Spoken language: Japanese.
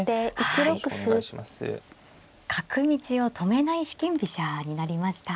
角道を止めない四間飛車になりました。